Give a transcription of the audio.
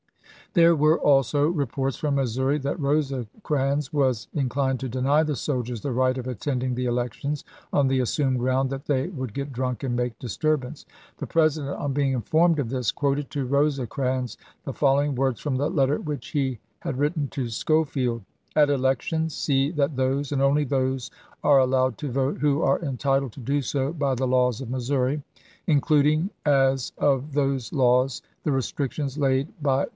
There were iIS^'ms. also reports from Missouri that Rosecrans was in clined to deny the soldiers the right of attending the elections, on the assumed ground that they would get drunk and make disturbance. The President, on being informed of this, quoted to Eosecrans the following words from the letter which he had written to Schofield ;"' At elections see that those, and only those, are allowed to vote who are entitled to do so by the laws of Missouri, including as of those laws the restrictions laid by the 366 ABKAHAM LINCOLN chap. xvi.